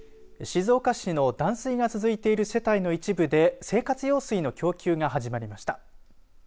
静岡市の断水が続いている世帯の一部で生活用水の供給が始まりました。